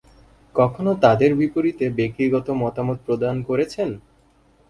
কখনও তাদের বিপরীতে ব্যক্তিগত মতামত প্রদান করেছেন।।